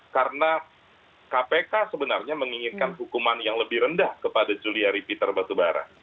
karena mereka sebenarnya menginginkan hukuman yang lebih rendah kepada juliari peter basubara